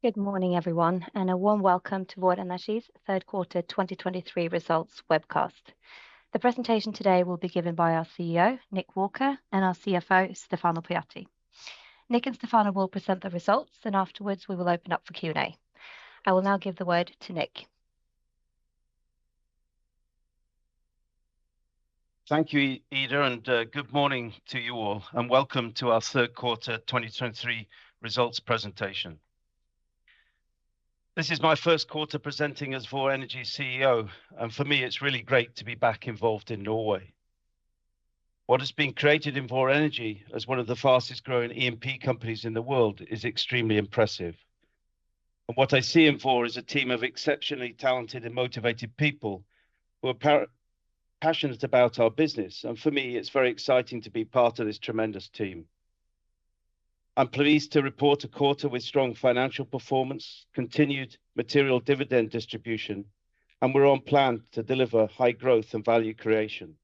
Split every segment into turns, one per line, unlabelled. Good morning, everyone, and a warm welcome to Vår Energi's Third Quarter 2023 Results Webcast. The presentation today will be given by our CEO, Nick Walker, and our CFO, Stefano Pujatti. Nick and Stefano will present the results, and afterwards we will open up for Q&A. I will now give the word to Nick.
Thank you, Ida, and good morning to you all, and welcome to our third quarter 2023 results presentation. This is my first quarter presenting as Vår Energi's CEO, and for me, it's really great to be back involved in Norway. What has been created in Vår Energi as one of the fastest growing E&P companies in the world is extremely impressive. And what I see in Vår is a team of exceptionally talented and motivated people who are passionate about our business, and for me, it's very exciting to be part of this tremendous team. I'm pleased to report a quarter with strong financial performance, continued material dividend distribution, and we're on plan to deliver high growth and value creation.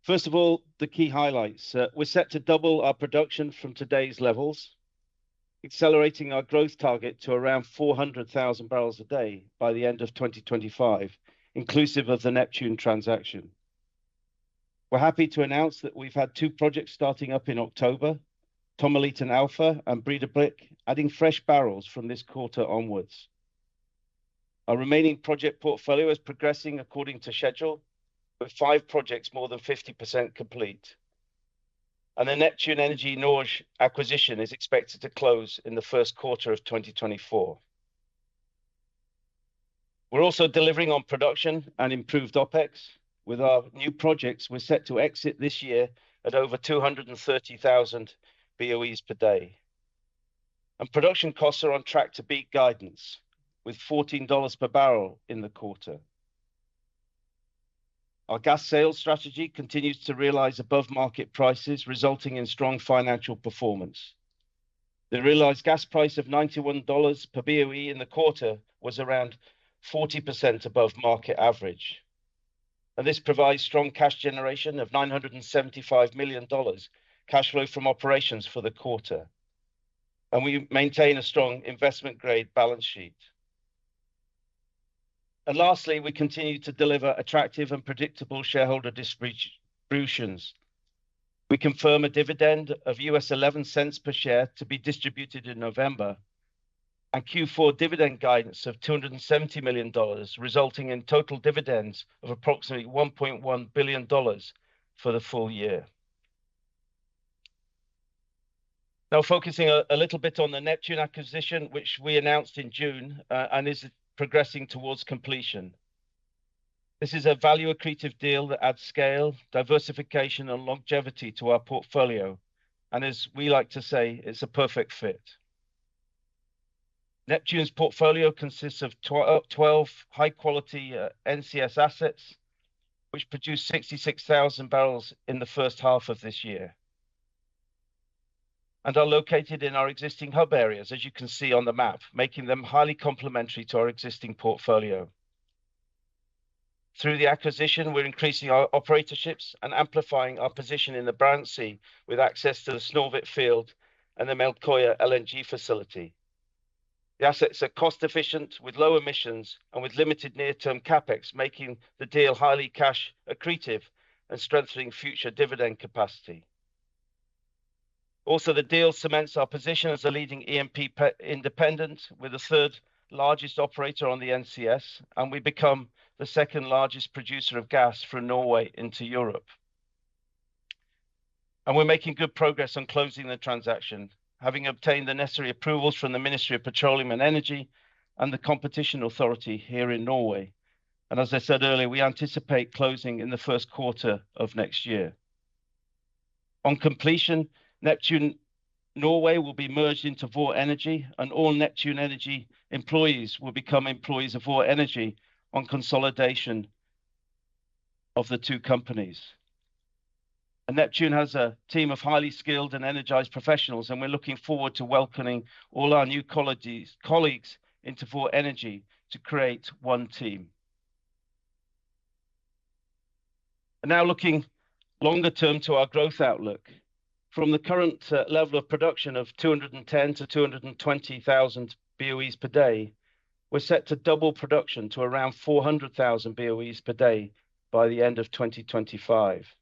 First of all, the key highlights. We're set to double our production from today's levels, accelerating our growth target to around 400,000 barrels a day by the end of 2025, inclusive of the Neptune transaction. We're happy to announce that we've had two projects starting up in October, Tommeliten Alpha and Breidablikk, adding fresh barrels from this quarter onwards. Our remaining project portfolio is progressing according to schedule, with five projects more than 50% complete. The Neptune Energy Norge acquisition is expected to close in the first quarter of 2024. We're also delivering on production and improved OpEx. With our new projects, we're set to exit this year at over 230,000 BOEs per day. Production costs are on track to beat guidance, with $14 per barrel in the quarter. Our gas sales strategy continues to realize above-market prices, resulting in strong financial performance. The realized gas price of $91 per BOE in the quarter was around 40% above market average, and this provides strong cash generation of $975 million cash flow from operations for the quarter, and we maintain a strong investment-grade balance sheet. Lastly, we continue to deliver attractive and predictable shareholder distributions. We confirm a dividend of $0.11 per share to be distributed in November, and Q4 dividend guidance of $270 million, resulting in total dividends of approximately $1.1 billion for the full year. Now, focusing a little bit on the Neptune acquisition, which we announced in June, and is progressing towards completion. This is a value-accretive deal that adds scale, diversification, and longevity to our portfolio, and as we like to say, it's a perfect fit. Neptune's portfolio consists of twelve high-quality, NCS assets, which produced 66,000 barrels in the first half of this year and are located in our existing hub areas, as you can see on the map, making them highly complementary to our existing portfolio. Through the acquisition, we're increasing our operatorships and amplifying our position in the Barents Sea, with access to the Snøhvit field and the Melkøya LNG facility. The assets are cost efficient with low emissions and with limited near-term CapEx, making the deal highly cash accretive and strengthening future dividend capacity. Also, the deal cements our position as a leading E&P independent, with the third largest operator on the NCS, and we become the second-largest producer of gas from Norway into Europe. And we're making good progress on closing the transaction, having obtained the necessary approvals from the Ministry of Petroleum and Energy and the Competition Authority here in Norway. And as I said earlier, we anticipate closing in the first quarter of next year. On completion, Neptune Norway will be merged into Vår Energi, and all Neptune Energy employees will become employees of Vår Energi on consolidation of the two companies. And Neptune has a team of highly skilled and energized professionals, and we're looking forward to welcoming all our new colleagues, colleagues into Vår Energi to create one team. And now looking longer term to our growth outlook. From the current level of production of 210,000-220,000 BOEs per day, we're set to double production to around 400,000 BOEs per day by the end of 2025.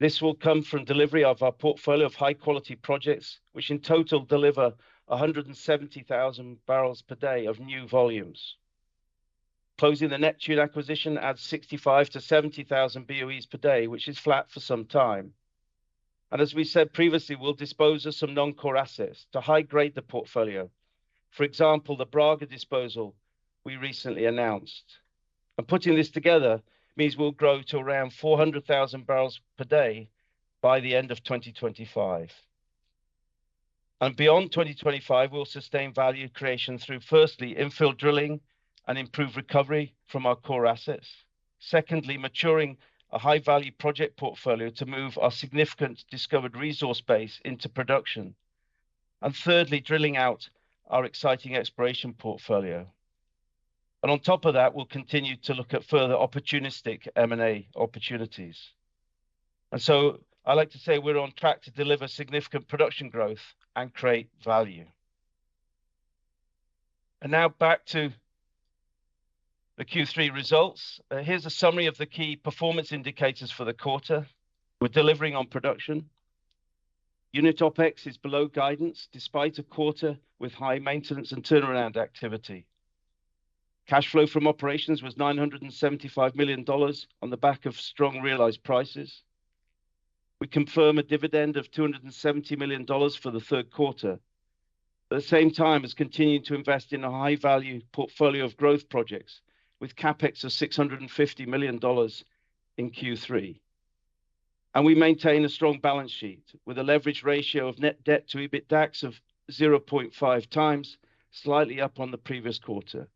This will come from delivery of our portfolio of high-quality projects, which in total deliver 170,000 barrels per day of new volumes. Closing the Neptune acquisition adds 65,000-70,000 BOEs per day, which is flat for some time. As we said previously, we'll dispose of some non-core assets to high-grade the portfolio. For example, the Brage disposal we recently announced. Putting this together means we'll grow to around 400,000 barrels per day by the end of 2025. Beyond 2025, we'll sustain value creation through, firstly, infill drilling and improved recovery from our core assets, secondly, maturing a high-value project portfolio to move our significant discovered resource base into production, and thirdly, drilling out our exciting exploration portfolio.... and on top of that, we'll continue to look at further opportunistic M&A opportunities. So I'd like to say we're on track to deliver significant production growth and create value. Now back to the Q3 results. Here's a summary of the key performance indicators for the quarter. We're delivering on production. Unit OpEx is below guidance despite a quarter with high maintenance and turnaround activity. Cash flow from operations was $975 million on the back of strong realized prices. We confirm a dividend of $270 million for the third quarter. At the same time, it's continuing to invest in a high-value portfolio of growth projects, with CapEx of $650 million in Q3. We maintain a strong balance sheet with a leverage ratio of net debt to EBITDA of 0.5 times, slightly up on the previous quarter.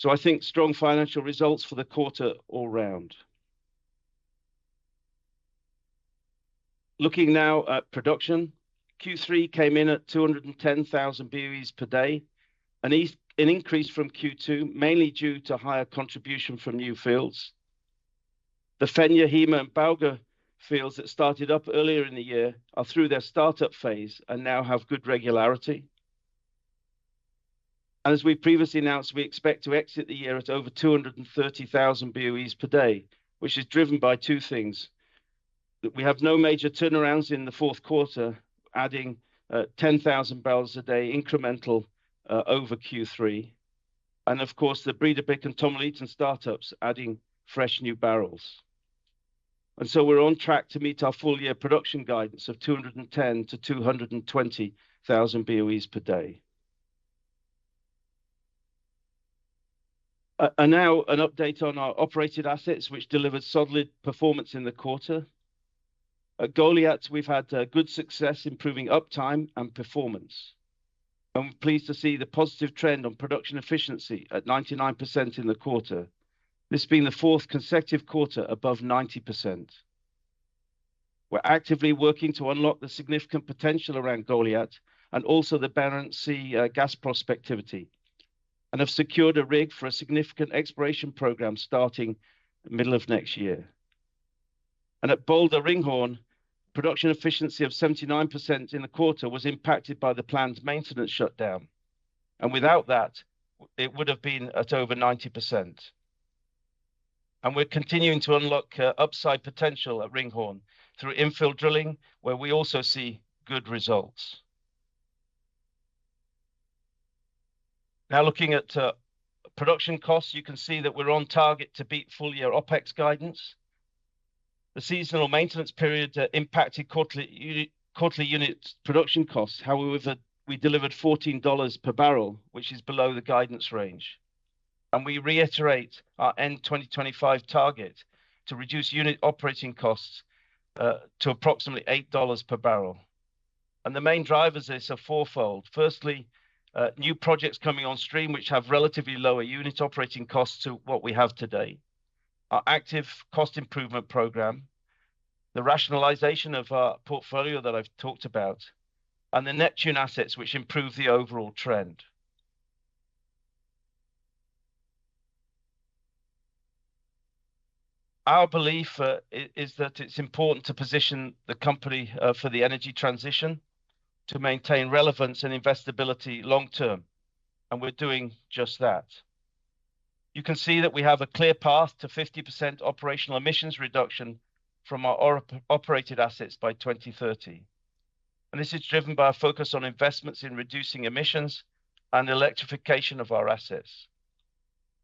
So I think strong financial results for the quarter all round. Looking now at production, Q3 came in at 210,000 BOEs per day, an increase from Q2, mainly due to higher contribution from new fields. The Fenja, Hyme, and Bauge fields that started up earlier in the year are through their start-up phase and now have good regularity. And as we previously announced, we expect to exit the year at over 230,000 BOEs per day, which is driven by two things: that we have no major turnarounds in the fourth quarter, adding 10,000 barrels a day incremental over Q3, and of course, the Breidablikk and Tommeliten startups adding fresh new barrels. And so we're on track to meet our full-year production guidance of 210,000-220,000 BOEs per day. And now an update on our operated assets, which delivered solid performance in the quarter. At Goliat, we've had good success improving uptime and performance, and we're pleased to see the positive trend on production efficiency at 99% in the quarter. This being the fourth consecutive quarter above 90%. We're actively working to unlock the significant potential around Goliat and also the Barents Sea gas prospectivity, and have secured a rig for a significant exploration program starting middle of next year. At Balder/Ringhorne, production efficiency of 79% in the quarter was impacted by the planned maintenance shutdown, and without that, it would have been at over 90%. And we're continuing to unlock upside potential at Ringhorne through infill drilling, where we also see good results. Now looking at production costs, you can see that we're on target to beat full-year OpEx guidance. The seasonal maintenance period impacted quarterly unit production costs. However, with that, we delivered $14 per barrel, which is below the guidance range, and we reiterate our end 2025 target to reduce unit operating costs to approximately $8 per barrel. The main drivers is a fourfold. Firstly, new projects coming on stream, which have relatively lower unit operating costs to what we have today, our active cost improvement program, the rationalization of our portfolio that I've talked about, and the Neptune assets, which improve the overall trend. Our belief is that it's important to position the company for the energy transition to maintain relevance and invest ability long term, and we're doing just that. You can see that we have a clear path to 50% operational emissions reduction from our operated assets by 2030. This is driven by a focus on investments in reducing emissions and electrification of our assets.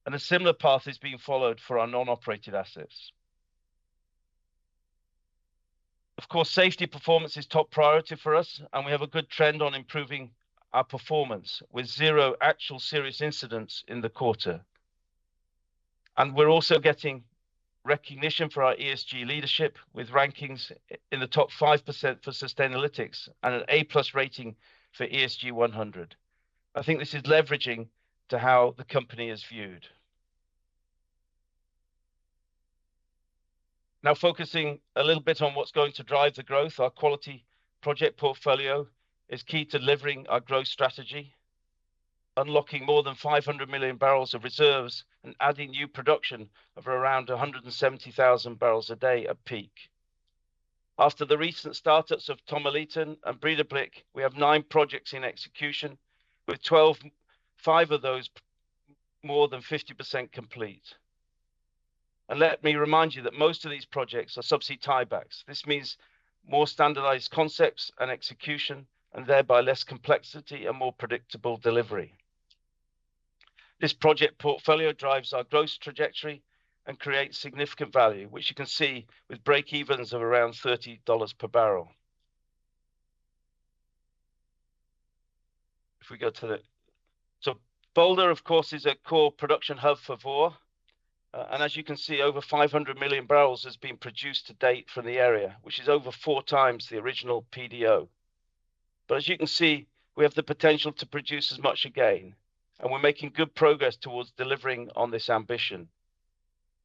A similar path is being followed for our non-operated assets. Of course, safety performance is top priority for us, and we have a good trend on improving our performance with zero actual serious incidents in the quarter. We're also getting recognition for our ESG leadership with rankings in the top 5% for Sustainalytics and an A+ rating for ESG 100. I think this is leveraging to how the company is viewed. Now, focusing a little bit on what's going to drive the growth, our quality project portfolio is key to delivering our growth strategy, unlocking more than 500 million barrels of reserves and adding new production of around 170,000 barrels a day at peak. After the recent startups of Tommeliten and Breidablikk, we have nine projects in execution, with five of those more than 50% complete. And let me remind you that most of these projects are subsea tie-backs. This means more standardized concepts and execution, and thereby less complexity and more predictable delivery. This project portfolio drives our growth trajectory and creates significant value, which you can see with breakevens of around $30 per barrel. So Balder, of course, is a core production hub for Vår, and as you can see, over 500 million barrels has been produced to date from the area, which is over four times the original PDO. But as you can see, we have the potential to produce as much again, and we're making good progress towards delivering on this ambition.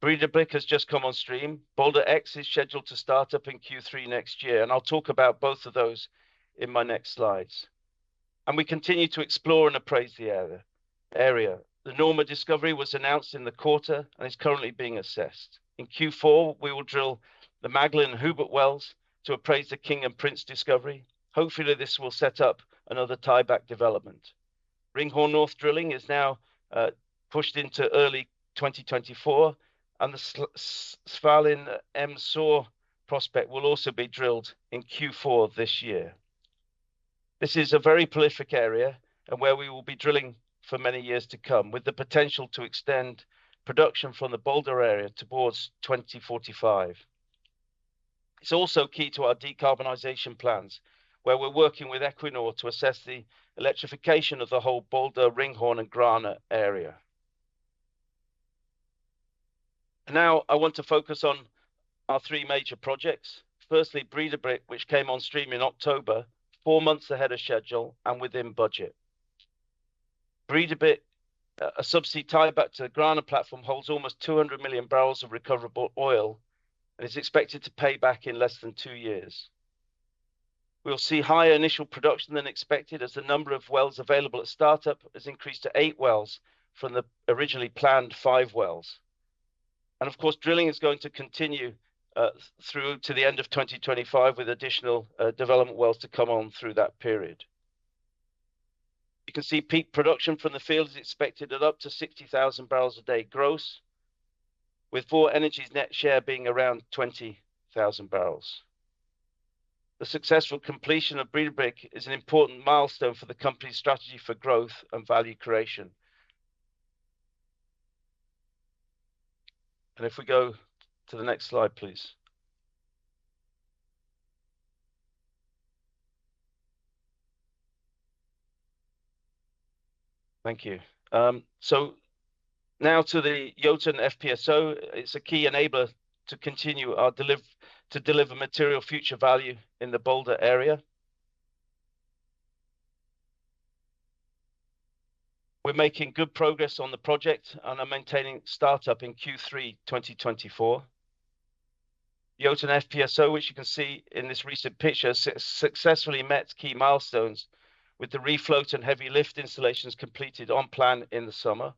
Breidablikk has just come on stream. Balder X is scheduled to start up in Q3 next year, and I'll talk about both of those in my next slides. And we continue to explore and appraise the area. The Norma discovery was announced in the quarter and is currently being assessed. In Q4, we will drill the Magellan and Hubert wells to appraise the King and Prince discovery. Hopefully, this will set up another tieback development. Ringhorne North drilling is now pushed into early 2024, and the Svalin Solar prospect will also be drilled in Q4 this year. This is a very prolific area and where we will be drilling for many years to come, with the potential to extend production from the Balder area towards 2045. It's also key to our decarbonization plans, where we're working with Equinor to assess the electrification of the whole Balder, Ringhorne and Grane area. Now, I want to focus on our three major projects. Firstly, Breidablikk, which came on stream in October, four months ahead of schedule and within budget. Breidablikk, a subsea tieback to the Grane platform, holds almost 200 million barrels of recoverable oil and is expected to pay back in less than two years. We'll see higher initial production than expected, as the number of wells available at start-up has increased to eight wells from the originally planned five wells. And of course, drilling is going to continue through to the end of 2025, with additional development wells to come on through that period. You can see peak production from the field is expected at up to 60,000 barrels a day gross, with Vår Energi's net share being around 20,000 barrels. The successful completion of Breidablikk is an important milestone for the company's strategy for growth and value creation. And if we go to the next slide, please. Thank you. So now to the Jotun FPSO. It's a key enabler to continue our to deliver material future value in the Balder area. We're making good progress on the project and are maintaining start-up in Q3 2024. Jotun FPSO, which you can see in this recent picture, successfully met key milestones with the refloat and heavy lift installations completed on plan in the summer,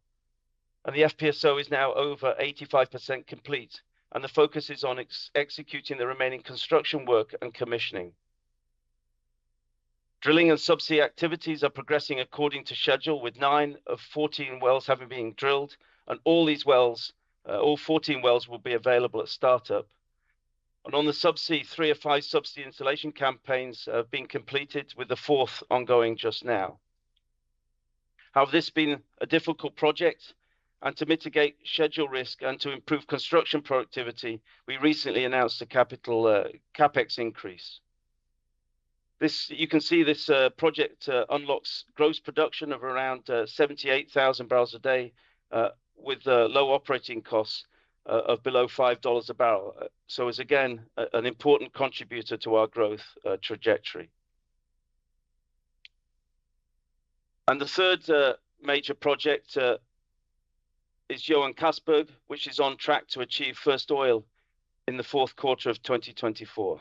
and the FPSO is now over 85% complete, and the focus is on executing the remaining construction work and commissioning. Drilling and subsea activities are progressing according to schedule, with nine of 14 wells having been drilled, and all these wells, all 14 wells will be available at start-up. And on the subsea, three of five subsea installation campaigns have been completed, with the fourth ongoing just now. However, this has been a difficult project, and to mitigate schedule risk and to improve construction productivity, we recently announced a capital, CapEx increase. This... You can see this project unlocks gross production of around 78,000 barrels a day with low operating costs of below $5 a barrel. So is again an important contributor to our growth trajectory. And the third major project is Johan Castberg, which is on track to achieve first oil in the fourth quarter of 2024.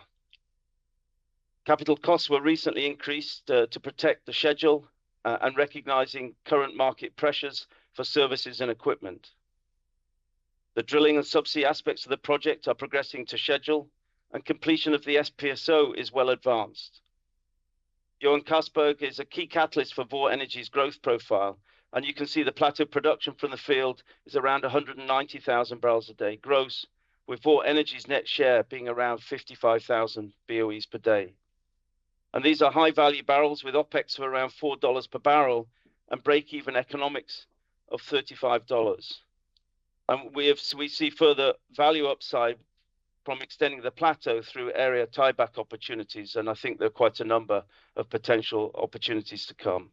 Capital costs were recently increased to protect the schedule and recognizing current market pressures for services and equipment. The drilling and subsea aspects of the project are progressing to schedule, and completion of the FPSO is well advanced. Johan Castberg is a key catalyst for Vår Energi's growth profile, and you can see the plateau production from the field is around 190,000 barrels a day, gross, with Vår Energi's net share being around 55,000 BOEs per day. These are high-value barrels, with OpEx of around $4 per barrel and break-even economics of $35. We see further value upside from extending the plateau through area tieback opportunities, and I think there are quite a number of potential opportunities to come.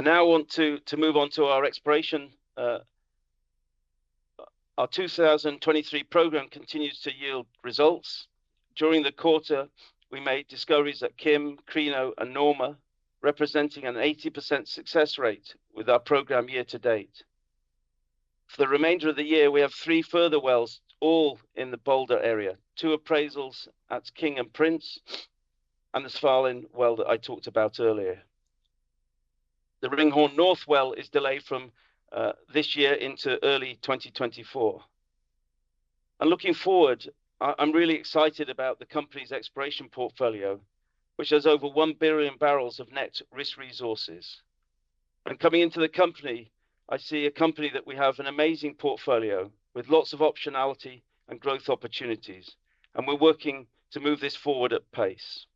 Now I want to move on to our exploration. Our 2023 program continues to yield results. During the quarter, we made discoveries at Kim, Crino, and Norma, representing an 80% success rate with our program year to date. For the remainder of the year, we have three further wells, all in the Balder area: two appraisals at King and Prince, and the Svalin well that I talked about earlier. The Ringhorne North well is delayed from this year into early 2024. And looking forward, I, I'm really excited about the company's exploration portfolio, which has over 1 billion barrels of net risked resources. And coming into the company, I see a company that we have an amazing portfolio, with lots of optionality and growth opportunities, and we're working to move this forward at pace.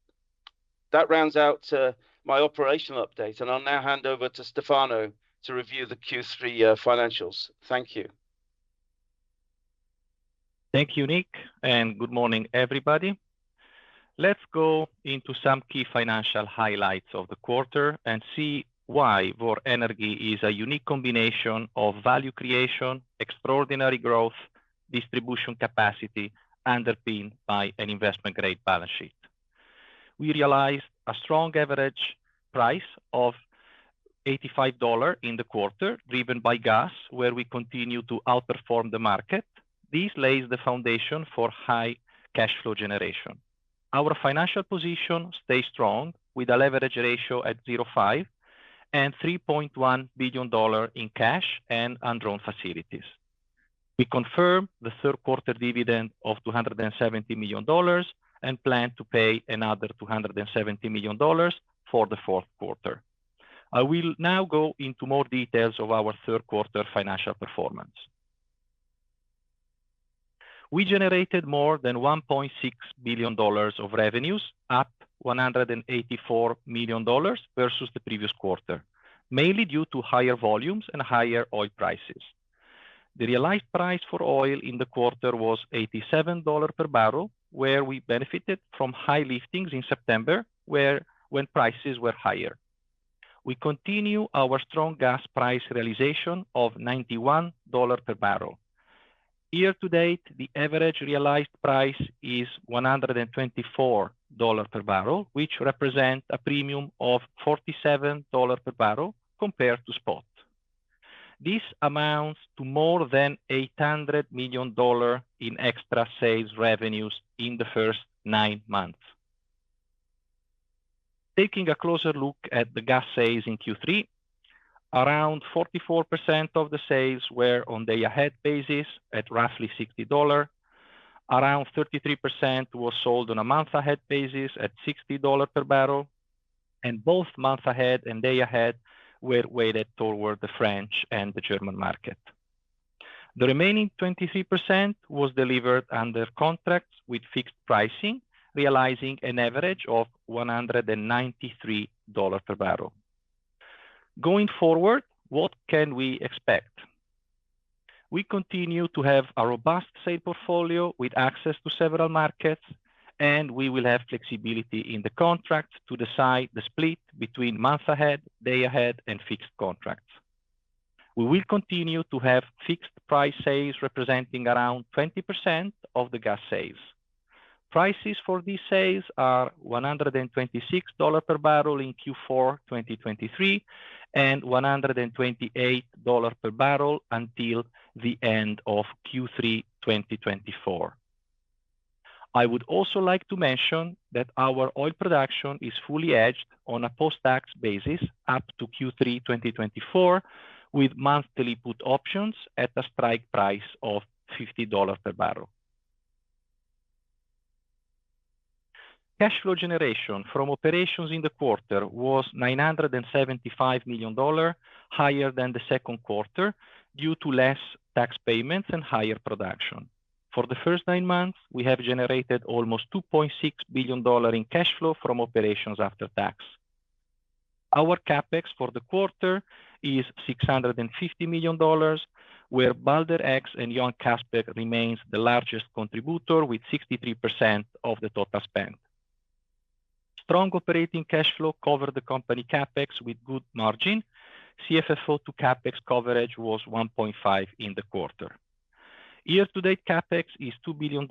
That rounds out my operational update, and I'll now hand over to Stefano to review the Q3 financials. Thank you.
Thank you, Nick, and good morning, everybody. Let's go into some key financial highlights of the quarter and see why Vår Energi is a unique combination of value creation, extraordinary growth, distribution capacity, underpinned by an investment-grade balance sheet. We realized a strong average price of $85 in the quarter, driven by gas, where we continue to outperform the market. This lays the foundation for high cash flow generation. Our financial position stays strong, with a leverage ratio at 0.5, and $3.1 billion in cash and undrawn facilities. We confirm the third quarter dividend of $270 million, and plan to pay another $270 million for the fourth quarter. I will now go into more details of our third quarter financial performance. We generated more than $1.6 billion of revenues, up $184 million versus the previous quarter, mainly due to higher volumes and higher oil prices. The realized price for oil in the quarter was $87 per barrel, where we benefited from high liftings in September, where when prices were higher. We continue our strong gas price realization of $91 per barrel. Year to date, the average realized price is $124 per barrel, which represent a premium of $47 per barrel compared to spot. This amounts to more than $800 million in extra sales revenues in the first nine months. Taking a closer look at the gas sales in Q3, around 44% of the sales were on day ahead basis at roughly $60. Around 33% was sold on a month ahead basis at $60 per barrel, and both months ahead and day ahead were weighted toward the French and the German market. The remaining 23% was delivered under contracts with fixed pricing, realizing an average of $193 per barrel. Going forward, what can we expect? We continue to have a robust sale portfolio with access to several markets, and we will have flexibility in the contracts to decide the split between months ahead, day ahead, and fixed contracts. We will continue to have fixed price sales, representing around 20% of the gas sales. Prices for these sales are $126 per barrel in Q4 2023, and $128 per barrel until the end of Q3 2024. I would also like to mention that our oil production is fully hedged on a post-tax basis up to Q3 2024, with monthly put options at a strike price of $50 per barrel. Cash flow generation from operations in the quarter was $975 million, higher than the second quarter, due to less tax payments and higher production. For the first nine months, we have generated almost $2.6 billion in cash flow from operations after tax. Our CapEx for the quarter is $650 million, where Balder X and Johan Castberg remains the largest contributor with 63% of the total spend. Strong operating cash flow covered the company CapEx with good margin. CFFO to CapEx coverage was 1.5 in the quarter. Year to date, CapEx is $2 billion,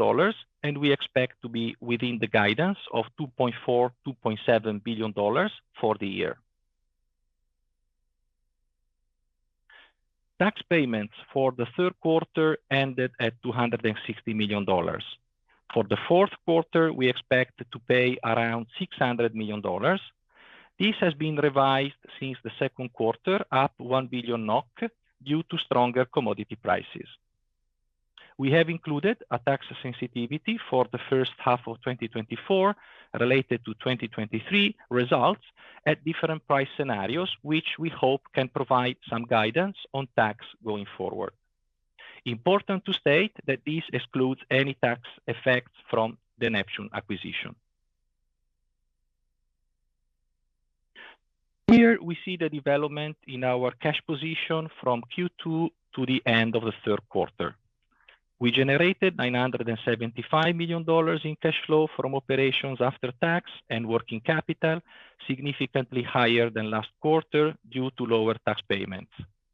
and we expect to be within the guidance of $2.4-$2.7 billion for the year. Tax payments for the third quarter ended at $260 million. For the fourth quarter, we expect to pay around $600 million. This has been revised since the second quarter, up 1 billion NOK, due to stronger commodity prices. We have included a tax sensitivity for the first half of 2024 related to 2023 results at different price scenarios, which we hope can provide some guidance on tax going forward. Important to state that this excludes any tax effects from the Neptune acquisition. Here we see the development in our cash position from Q2 to the end of the third quarter. We generated $975 million in cash flow from operations after tax and working capital, significantly higher than last quarter due to lower tax payments,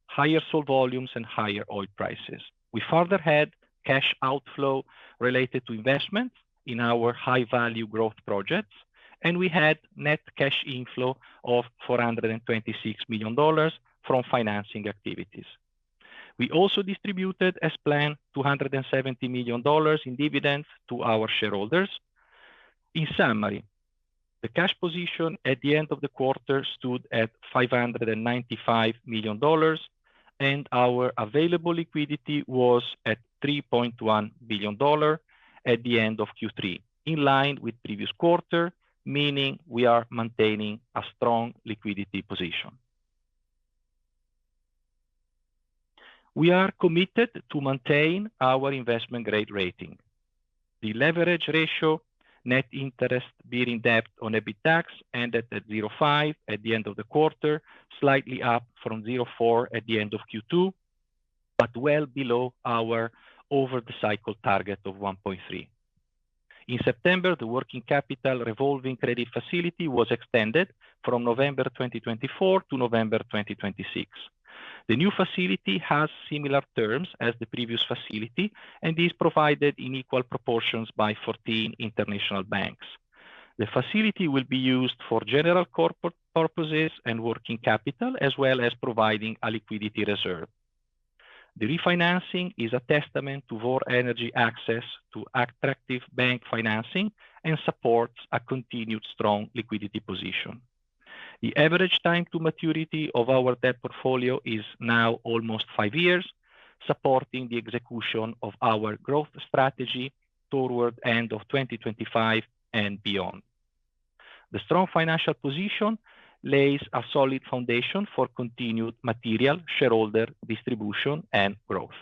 higher sold volumes, and higher oil prices. We further had cash outflow related to investments in our high-value growth projects, and we had net cash inflow of $426 million from financing activities. We also distributed, as planned, $270 million in dividends to our shareholders. In summary, the cash position at the end of the quarter stood at $595 million, and our available liquidity was at $3.1 billion at the end of Q3, in line with previous quarter, meaning we are maintaining a strong liquidity position. We are committed to maintain our investment grade rating. The leverage ratio, net interest bearing debt on EBITDA, ended at 0.5 at the end of the quarter, slightly up from 0.4 at the end of Q2, but well below our over the cycle target of 1.3. In September, the working capital revolving credit facility was extended from November 2024 to November 2026. The new facility has similar terms as the previous facility, and is provided in equal proportions by 14 international banks. The facility will be used for general corporate purposes and working capital, as well as providing a liquidity reserve. The refinancing is a testament to our entity's access to attractive bank financing, and supports a continued strong liquidity position. The average time to maturity of our debt portfolio is now almost five years, supporting the execution of our growth strategy toward end of 2025 and beyond. The strong financial position lays a solid foundation for continued material shareholder distribution and growth.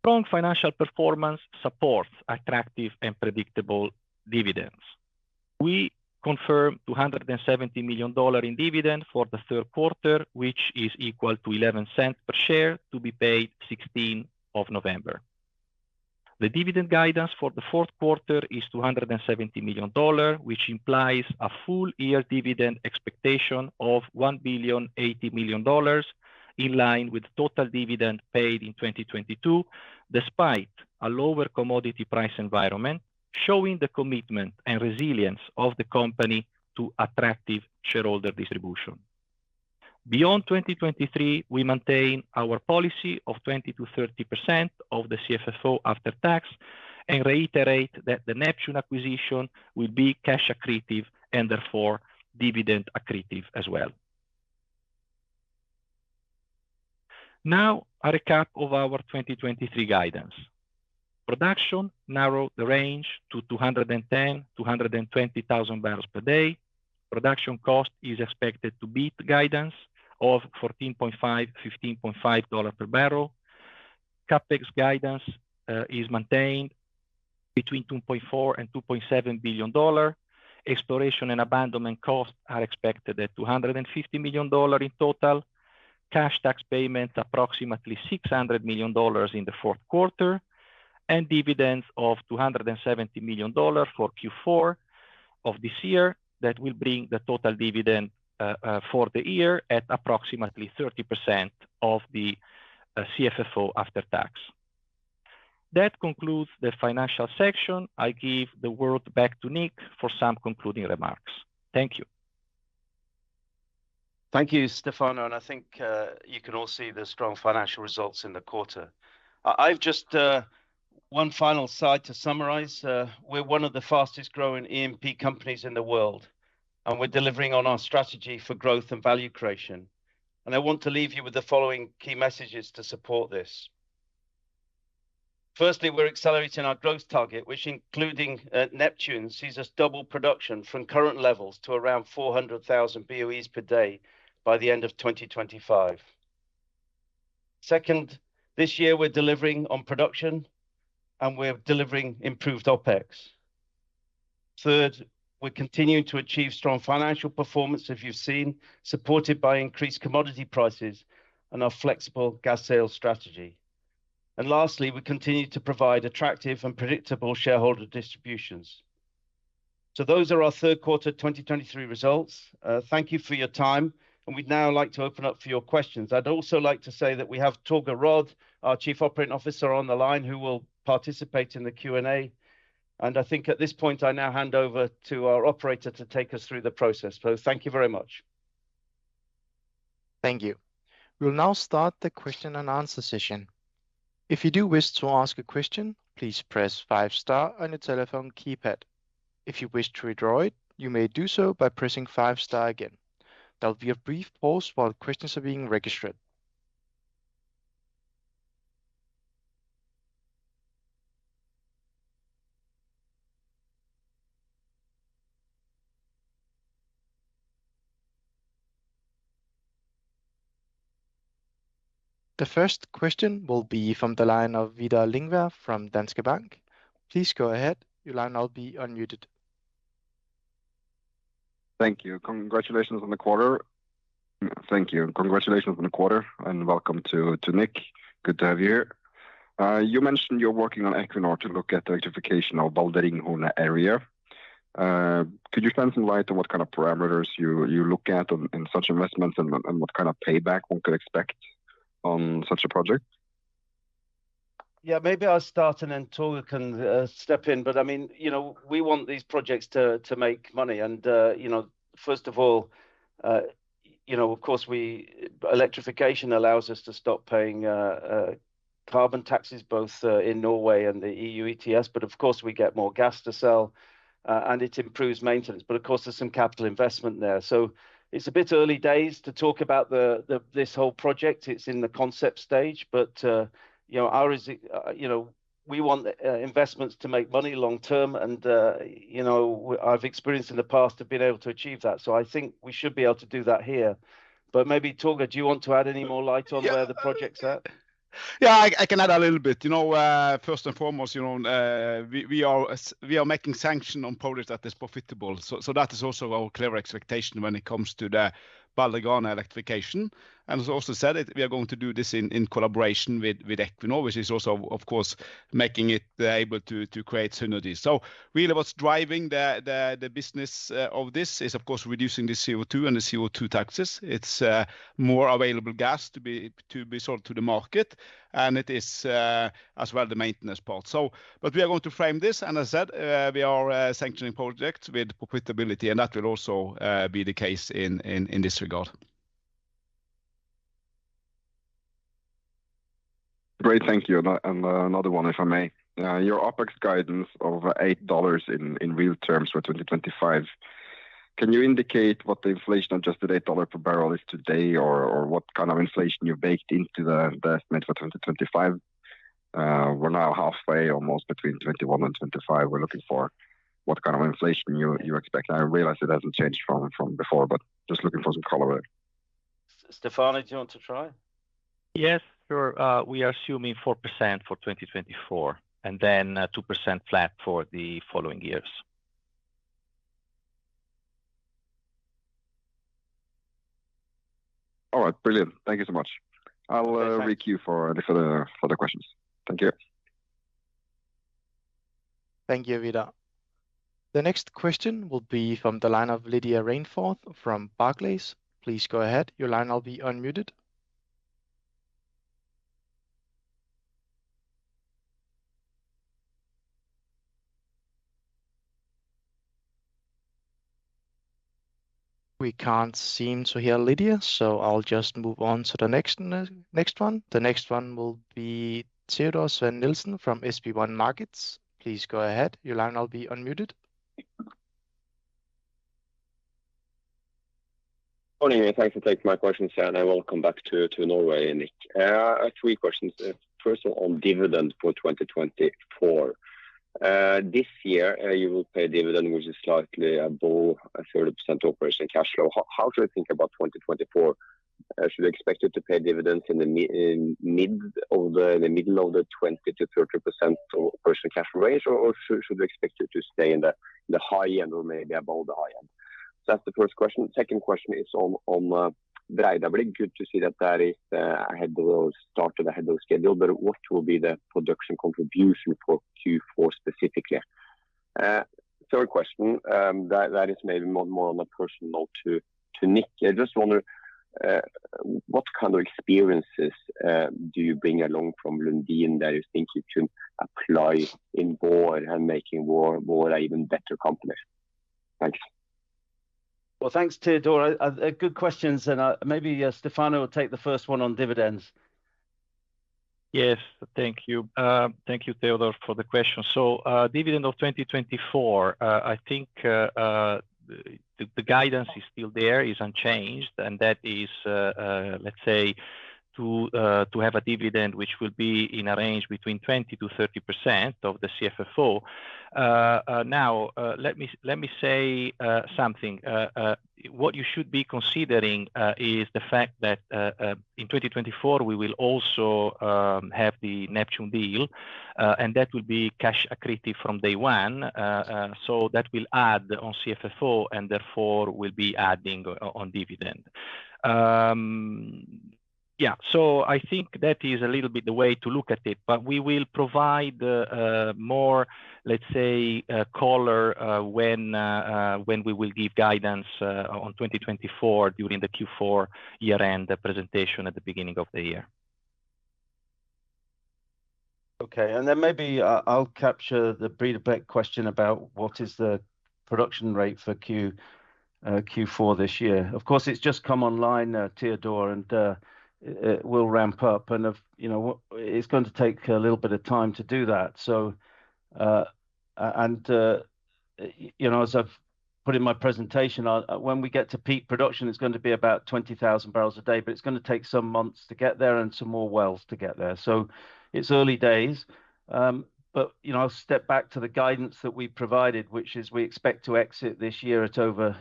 Strong financial performance supports attractive and predictable dividends. We confirm $270 million in dividend for the third quarter, which is equal to $0.11 per share, to be paid 16th of November. The dividend guidance for the fourth quarter is $270 million, which implies a full year dividend expectation of $1.08 billion, in line with total dividend paid in 2022, despite a lower commodity price environment, showing the commitment and resilience of the company to attractive shareholder distribution. Beyond 2023, we maintain our policy of 20%-30% of the CFFO after tax, and reiterate that the Neptune acquisition will be cash accretive, and therefore dividend accretive as well. Now, a recap of our 2023 guidance. Production narrowed the range to 210,000-220,000 barrels per day. Production cost is expected to beat guidance of $14.5-$15.5 per barrel. CapEx guidance is maintained between $2.4 billion-$2.7 billion. Exploration and abandonment costs are expected at $250 million in total. Cash tax payment, approximately $600 million in the fourth quarter, and dividends of $270 million for Q4 of this year. That will bring the total dividend for the year at approximately 30% of the CFFO after tax. That concludes the financial section. I give the word back to Nick for some concluding remarks. Thank you.
Thank you, Stefano, and I think, you can all see the strong financial results in the quarter. I've just one final slide to summarize. We're one of the fastest growing E&P companies in the world, and we're delivering on our strategy for growth and value creation. I want to leave you with the following key messages to support this. Firstly, we're accelerating our growth target, which including Neptune, sees us double production from current levels to around 400,000 BOEs per day by the end of 2025. Second, this year, we're delivering on production, and we're delivering improved OpEx. Third, we're continuing to achieve strong financial performance, as you've seen, supported by increased commodity prices and our flexible gas sales strategy. Lastly, we continue to provide attractive and predictable shareholder distributions. So those are our third quarter 2023 results. Thank you for your time, and we'd now like to open up for your questions. I'd also like to say that we have Torger Rød, our Chief Operating Officer, on the line, who will participate in the Q&A. I think at this point, I now hand over to our operator to take us through the process. Thank you very much.
Thank you. We'll now start the question and answer session. If you do wish to ask a question, please press five star on your telephone keypad. If you wish to withdraw it, you may do so by pressing five star again. There will be a brief pause while questions are being registered. The first question will be from the line of Vidar Lyngvær from Danske Bank. Please go ahead. Your line will now be unmuted.
Thank you. Congratulations on the quarter. Thank you, and congratulations on the quarter, and welcome to Nick. Good to have you here. You mentioned you're working on Equinor to look at the electrification of Balder/Ringhorne area. Could you shine some light on what kind of parameters you look at in such investments and what kind of payback one could expect on such a project?
Yeah, maybe I'll start and then Torger can step in. But, I mean, you know, we want these projects to make money. And, you know, first of all, you know, of course electrification allows us to stop paying carbon taxes, both in Norway and the EU ETS, but of course, we get more gas to sell and it improves maintenance. But of course, there's some capital investment there. So it's a bit early days to talk about this whole project. It's in the concept stage, but you know, you know, we want investments to make money long term and you know, I've experienced in the past of being able to achieve that. So I think we should be able to do that here. Maybe, Torger, do you want to add any more light on where the project's at?
Yeah, I can add a little bit. You know, first and foremost, you know, we are making sanction on projects that is profitable. So that is also our clear expectation when it comes to the Balder electrification. And as also said, we are going to do this in collaboration with Equinor, which is also, of course, making it able to create synergies. So really, what's driving the business of this is, of course, reducing the CO2 and the CO2 taxes. It's more available gas to be sold to the market, and it is, as well, the maintenance part. So but we are going to frame this, and as I said, we are sanctioning projects with profitability, and that will also be the case in this regard.
Great. Thank you. And, and another one, if I may. Your OpEx guidance of $8 in real terms for 2025, can you indicate what the inflation on just the $8 per barrel is today, or what kind of inflation you baked into the estimate for 2025? We're now halfway almost between 2021 and 2025. We're looking for what kind of inflation you expect. I realize it hasn't changed from before, but just looking for some color on it.
Stefano, do you want to try?
Yes, sure. We are assuming 4% for 2024, and then, 2% flat for the following years.
All right, brilliant. Thank you so much.
Thanks.
I'll requeue for any further questions. Thank you.
Thank you, Vidar. The next question will be from the line of Lydia Rainforth from Barclays. Please go ahead. Your line will be unmuted. We can't seem to hear Lydia, so I'll just move on to the next one, next one. The next one will be Teodor Sveen-Nilsen from SB1 Markets. Please go ahead. Your line will be unmuted.
Morning, and thanks for taking my questions, and welcome back to Norway, Nick. I have three questions. First of all, on dividend for 2024. This year, you will pay a dividend, which is slightly above a 30% operating cash flow. How should I think about 2024? Should we expect you to pay dividends in the mid, in the middle of the 20%-30% of operating cash flow range, or should we expect you to stay in the high end or maybe above the high end? That's the first question. Second question is on the Breidablikk. Good to see that there is ahead of schedule start ahead of schedule, but what will be the production contribution for Q4 specifically? Third question, that is maybe more on a personal to Nick. I just wonder what kind of experiences do you bring along from Lundin that you think you can apply in board and making more an even better company? Thank you.
Well, thanks, Teodor. Good questions, and maybe Stefano will take the first one on dividends.
Yes, thank you. Thank you, Teodor, for the question. So, dividend of 2024, I think, the guidance is still there, is unchanged, and that is, let's say, to have a dividend, which will be in a range between 20%-30% of the CFFO. Now, let me say something. What you should be considering is the fact that in 2024, we will also have the Neptune deal, and that will be cash accretive from day one. So that will add on CFFO, and therefore, will be adding on dividend. Yeah, so I think that is a little bit the way to look at it, but we will provide more, let's say, color when we will give guidance on 2024 during the Q4 year-end, the presentation at the beginning of the year.
Okay, and then maybe I'll capture the Breidablikk question about what is the production rate for Q4 this year. Of course, it's just come online, Teodor, and it will ramp up, and of... You know, it's going to take a little bit of time to do that. So, and, you know, as I've put in my presentation, when we get to peak production, it's going to be about 20,000 barrels a day, but it's gonna take some months to get there and some more wells to get there. So it's early days, but, you know, I'll step back to the guidance that we provided, which is we expect to exit this year at over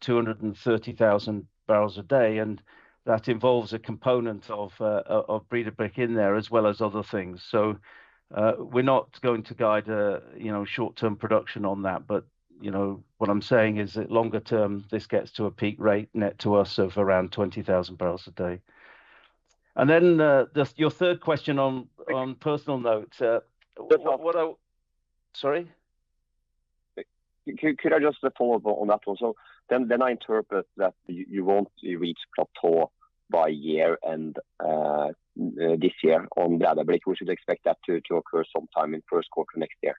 230,000 barrels a day, and that involves a component of Breidablikk in there, as well as other things. So, we're not going to guide, you know, short-term production on that, but, you know, what I'm saying is that longer term, this gets to a peak rate net to us of around 20,000 barrels a day. And then, your third question on a personal note.
What I?
Sorry?
Could I just follow up on that one? So then, I interpret that you won't reach plateau by year end this year on the Brage. We should expect that to occur sometime in first quarter next year.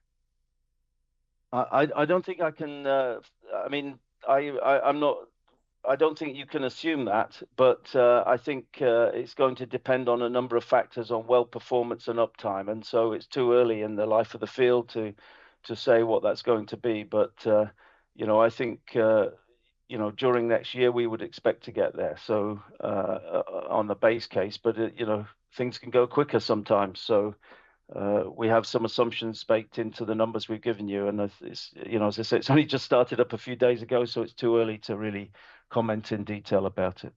I don't think I can. I mean, I'm not—I don't think you can assume that, but I think it's going to depend on a number of factors on well performance and uptime, and so it's too early in the life of the field to say what that's going to be. But you know, I think you know, during next year, we would expect to get there, so on the base case, but you know, things can go quicker sometimes. So we have some assumptions baked into the numbers we've given you, and as it's you know, as I say, it's only just started up a few days ago, so it's too early to really comment in detail about it.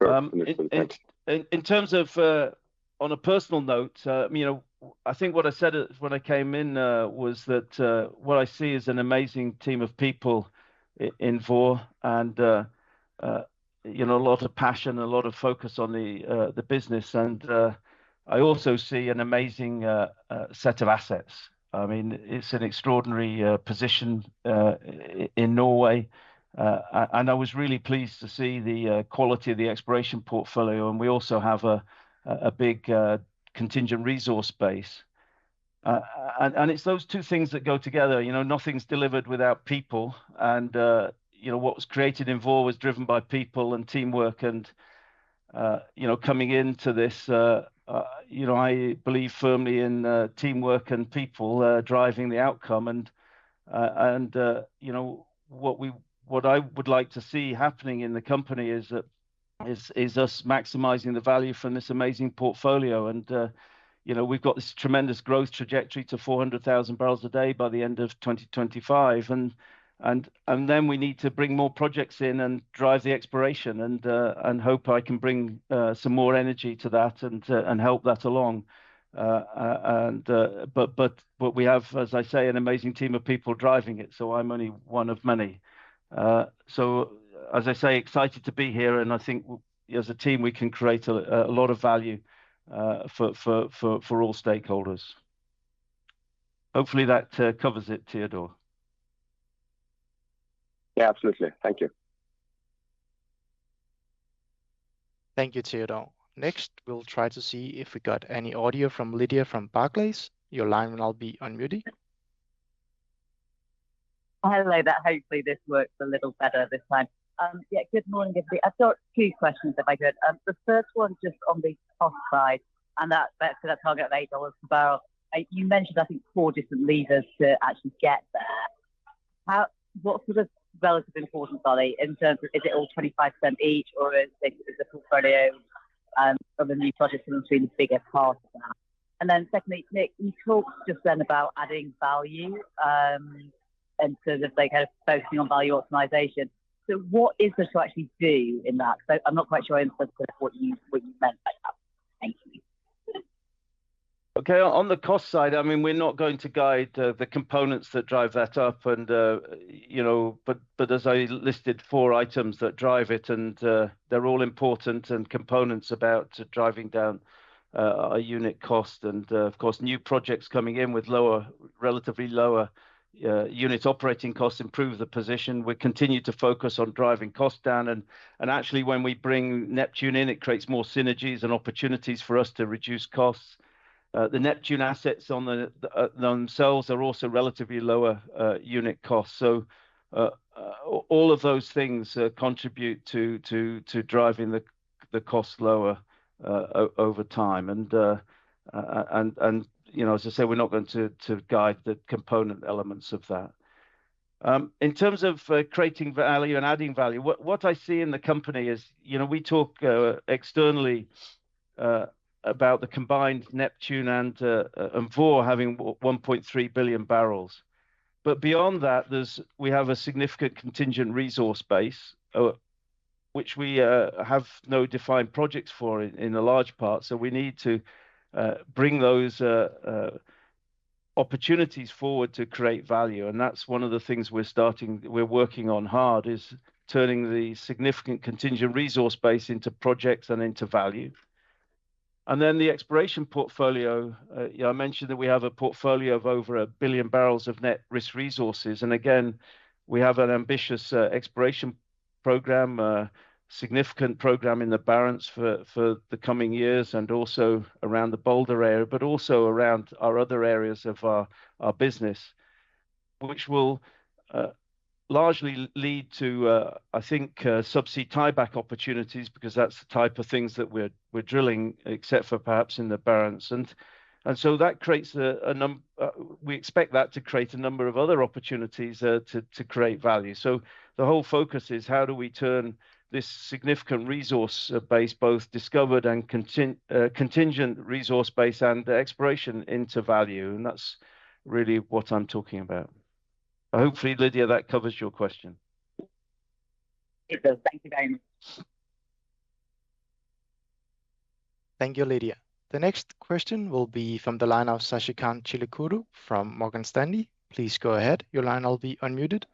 And thanks. In terms of, on a personal note, you know, I think what I said when I came in was that what I see is an amazing team of people in Vår, and, you know, a lot of passion and a lot of focus on the business. And I also see an amazing set of assets. I mean, it's an extraordinary position in Norway. And I was really pleased to see the quality of the exploration portfolio, and we also have a big contingent resource base. And it's those two things that go together, you know, nothing's delivered without people, and, you know, what was created in Vår was driven by people and teamwork and, you know, coming into this, you know, I believe firmly in teamwork and people driving the outcome. And, you know, what we—what I would like to see happening in the company is that, is us maximizing the value from this amazing portfolio. And, you know, we've got this tremendous growth trajectory to 400,000 barrels a day by the end of 2025, and then we need to bring more projects in and drive the exploration, and hope I can bring some more energy to that and help that along. But what we have, as I say, an amazing team of people driving it, so I'm only one of many. So as I say, excited to be here, and I think as a team, we can create a lot of value for all stakeholders. Hopefully, that covers it, Teodor.
Yeah, absolutely. Thank you.
Thank you, Teodor. Next, we'll try to see if we got any audio from Lydia, from Barclays. Your line will now be unmuted.
Hello there. Hopefully, this works a little better this time. Yeah, good morning, everybody. I've got two questions, if I could. The first one just on the cost side, and that's, that's for the target of $8 per barrel. You mentioned, I think, four different levers to actually get there. How... What sort of relative importance are they in terms of, is it all 25% each, or is it the portfolio, of the new projects in between the bigger part of that? And then secondly, Nick, you talked just then about adding value, in terms of like kind of focusing on value optimization. So what is there to actually do in that? So I'm not quite sure in terms of what you, what you meant by that. Thank you.
Okay. On the cost side, I mean, we're not going to guide the components that drive that up, and, you know... But as I listed four items that drive it, and they're all important and components about driving down a unit cost. Of course, new projects coming in with lower, relatively lower, unit operating costs improve the position. We continue to focus on driving costs down, and actually, when we bring Neptune in, it creates more synergies and opportunities for us to reduce costs. The Neptune assets themselves are also relatively lower unit cost. All of those things contribute to driving the cost lower over time. As I say, we're not going to guide the component elements of that. In terms of creating value and adding value, what I see in the company is, you know, we talk externally about the combined Neptune and Vår having 1.3 billion barrels. But beyond that, there's, we have a significant contingent resource base, which we have no defined projects for in a large part. So we need to bring those opportunities forward to create value, and that's one of the things we're starting... we're working on hard, is turning the significant contingent resource base into projects and into value. Then the exploration portfolio, yeah, I mentioned that we have a portfolio of over 1 billion barrels of net risk resources, and again, we have an ambitious exploration program, significant program in the Barents for the coming years, and also around the Balder area, but also around our other areas of our business. Which will largely lead to, I think, subsea tie-back opportunities, because that's the type of things that we're drilling, except for perhaps in the Barents. And so that creates a number. We expect that to create a number of other opportunities to create value. So the whole focus is how do we turn this significant resource base, both discovered and contingent resource base and exploration into value? And that's really what I'm talking about. Hopefully, Lydia, that covers your question.
It does. Thank you very much.
Thank you, Lydia. The next question will be from the line of Sasikanth Chilukuru from Morgan Stanley. Please go ahead. Your line will be unmuted.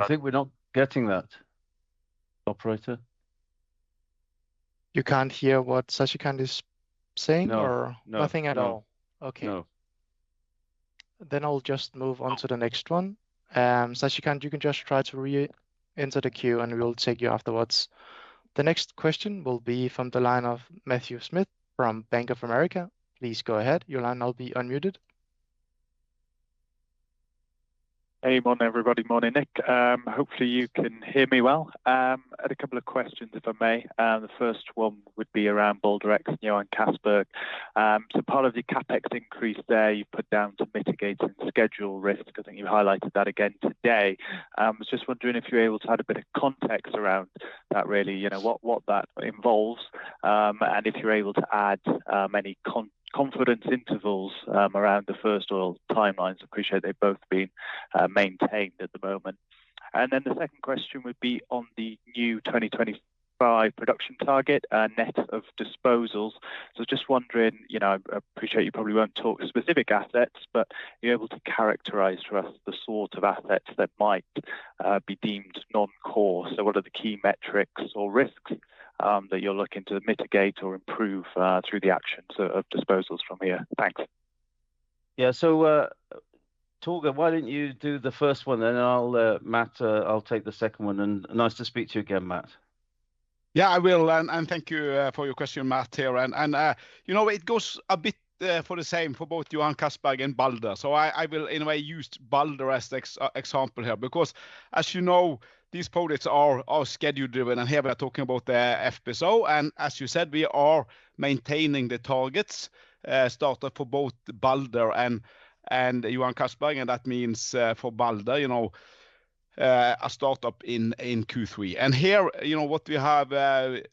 I think we're not getting that, operator.
You can't hear what Sasikanth is saying or?
No. No.
Nothing at all?
No.
Okay.
No.
Then I'll just move on to the next one. Sasikanth, you can just try to re-enter the queue, and we will take you afterwards. The next question will be from the line of Matthew Smith from Bank of America. Please go ahead. Your line will be unmuted.
Hey, morning, everybody. Morning, Nick. Hopefully, you can hear me well. I had a couple of questions, if I may. The first one would be around Balder X and Johan Castberg. So part of the CapEx increase there, you put down to mitigating schedule risks, 'cause I think you highlighted that again today. I was just wondering if you're able to add a bit of context around that really, you know, what that involves, and if you're able to add any confidence intervals around the first oil timelines. I appreciate they've both been maintained at the moment. And then the second question would be on the new 2025 production target, net of disposals. Just wondering, you know, I appreciate you probably won't talk specific assets, but are you able to characterize for us the sort of assets that might be deemed non-core? What are the key metrics or risks that you're looking to mitigate or improve through the actions of disposals from here? Thanks.
Yeah. So, Torger, why don't you do the first one, then I'll, Matt, I'll take the second one, and nice to speak to you again, Matt.
Yeah, I will, and thank you for your question, Matt, here. And you know, it goes a bit for the same for both Johan Castberg and Balder, so I will in a way use Balder as example here, because as you know, these projects are schedule-driven, and here we are talking about the FPSO. And as you said, we are maintaining the targets started for both Balder and Johan Castberg, and that means for Balder, you know, a start-up in Q3. And here, you know, what we have, the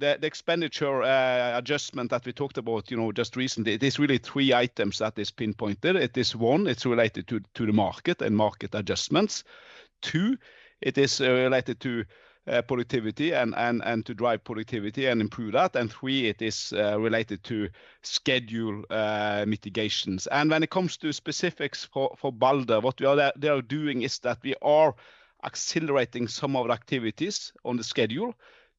expenditure adjustment that we talked about just recently, it is really three items that is pinpointed. It is, one, it's related to the market and market adjustments. Two, it is related to productivity and to drive productivity and improve that. And three, it is related to schedule mitigations. And when it comes to specifics for Balder, what we are doing is that we are accelerating some of the activities on the schedule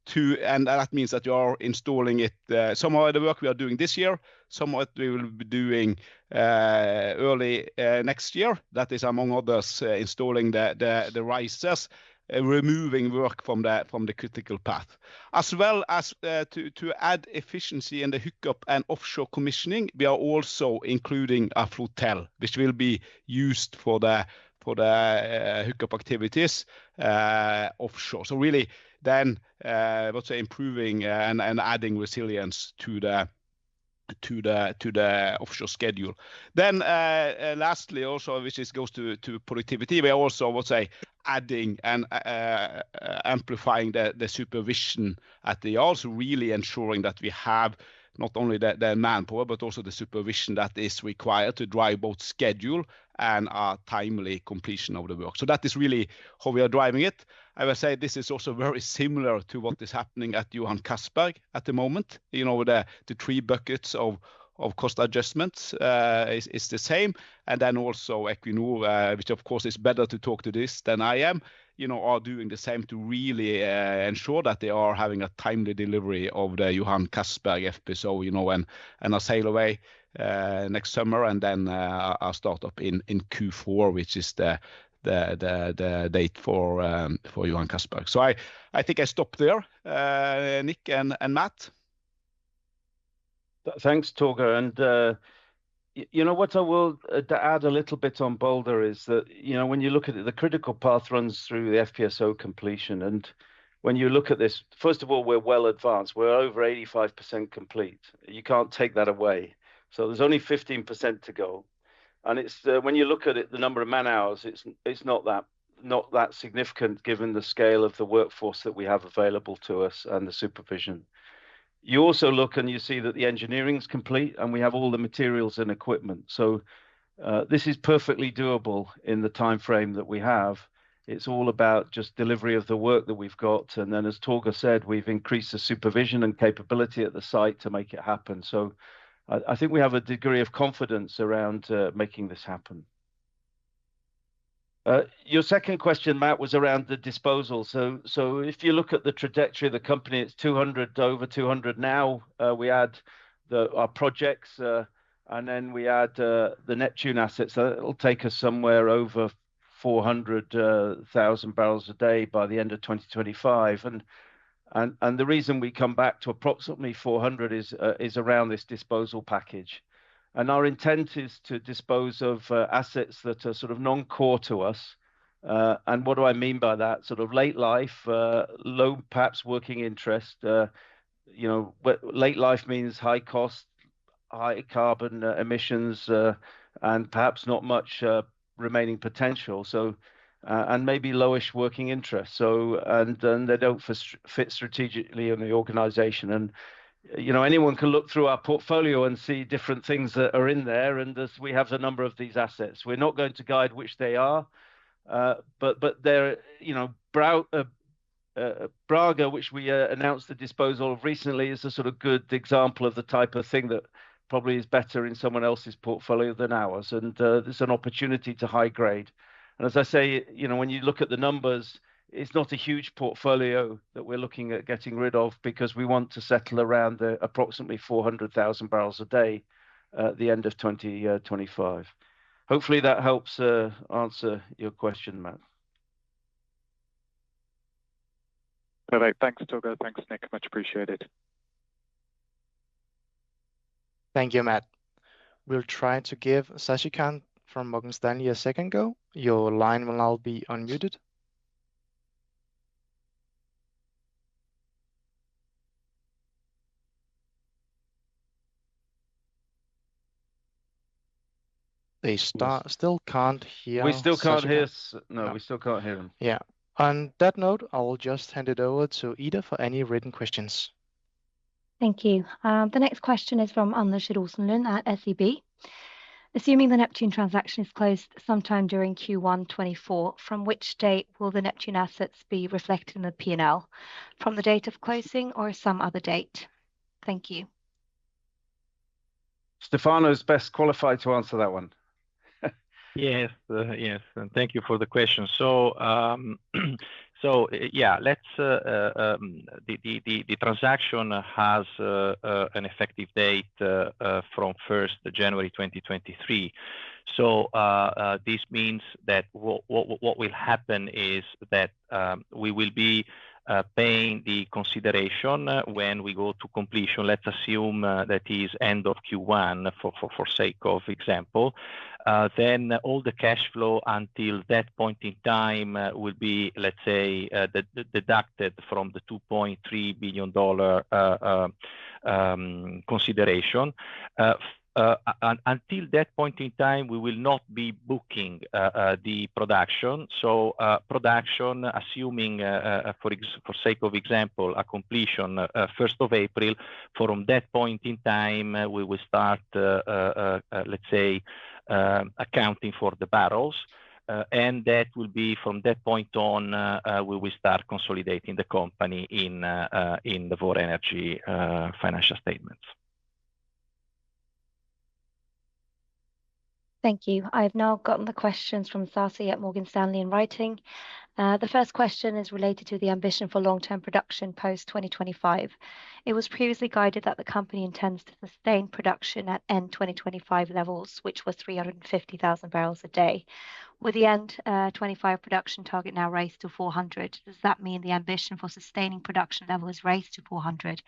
to... And that means that we are installing some of the work we are doing this year, some of it we will be doing early next year. That is, among others, installing the risers, removing work from the critical path. As well as to add efficiency in the hookup and offshore commissioning, we are also including a flotel, which will be used for the hookup activities offshore. So really then, let's say, improving and adding resilience to the offshore schedule. Then, lastly, also, which goes to productivity, we are also, let's say, adding and amplifying the supervision, also really ensuring that we have not only the manpower, but also the supervision that is required to drive both schedule and a timely completion of the work. So that is really how we are driving it. I will say this is also very similar to what is happening at Johan Castberg at the moment. You know, the three buckets of cost adjustments is the same. And then also Equinor, which of course is better to talk to this than I am, you know, are doing the same to really ensure that they are having a timely delivery of the Johan Castberg FPSO, you know, and a sail away next summer, and then a start-up in Q4, which is the date for Johan Castberg. So I think I stop there, Nick and Matt.
Thanks, Torger. And, you know what? I will to add a little bit on Balder is that, you know, when you look at it, the critical path runs through the FPSO completion. And when you look at this, first of all, we're well advanced. We're over 85% complete. You can't take that away. So there's only 15% to go, and it's, when you look at it, the number of man-hours, it's, it's not that, not that significant, given the scale of the workforce that we have available to us and the supervision. You also look, and you see that the engineering's complete, and we have all the materials and equipment. So, this is perfectly doable in the timeframe that we have. It's all about just delivery of the work that we've got, and then, as Torger said, we've increased the supervision and capability at the site to make it happen. So I think we have a degree of confidence around making this happen. Your second question, Matt, was around the disposal. So if you look at the trajectory of the company, it's over 200 now. We add our projects, and then we add the Neptune assets. So it'll take us somewhere over 400,000 barrels a day by the end of 2025. And the reason we come back to approximately 400 is around this disposal package. And our intent is to dispose of assets that are sort of non-core to us. And what do I mean by that? Sort of late life, low perhaps working interest, you know, but late life means high cost, high carbon emissions, and perhaps not much remaining potential, so, and maybe low-ish working interest. They don't fit strategically in the organization. You know, anyone can look through our portfolio and see different things that are in there, and there's... We have a number of these assets. We're not going to guide which they are, but they're, you know, Brage, which we announced the disposal of recently, is a sort of good example of the type of thing that probably is better in someone else's portfolio than ours, and there's an opportunity to high grade. As I say, you know, when you look at the numbers, it's not a huge portfolio that we're looking at getting rid of, because we want to settle around approximately 400,000 barrels a day at the end of 2025. Hopefully, that helps answer your question, Matt.
Perfect. Thanks, Torger. Thanks, Nick. Much appreciated.
Thank you, Matt. We'll try to give Sasikanth from Morgan Stanley a second go. Your line will now be unmuted. They still can't hear-
We still can't hear S...? No, we still can't hear him.
Yeah. On that note, I will just hand it over to Ida for any written questions.
Thank you. The next question is from Anders Rosenlund at SEB. Assuming the Neptune transaction is closed sometime during Q1 2024, from which date will the Neptune assets be reflected in the P&L? From the date of closing or some other date? Thank you.
Stefano is best qualified to answer that one.
Yes, yes, and thank you for the question. The transaction has an effective date from 1st January 2023. This means that what will happen is that we will be paying the consideration when we go to completion. Let's assume that is end of Q1 for sake of example. All the cashflow until that point in time will be deducted from the $2.3 billion consideration. Until that point in time, we will not be booking the production. Production, assuming, for sake of example, a completion 1st April. From that point in time, we will start, let's say, accounting for the barrels. And that will be from that point on, we will start consolidating the company in the Vår Energi financial statements.
Thank you. I've now gotten the questions from Sasikanth at Morgan Stanley in writing. The first question is related to the ambition for long-term production post 2025. It was previously guided that the company intends to sustain production at end 2025 levels, which was 350,000 barrels a day, with the end 2025 production target now raised to 400. Does that mean the ambition for sustaining production level is raised to 400,